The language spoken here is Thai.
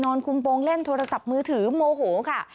คุมโปรงเล่นโทรศัพท์มือถือโมโหค่ะ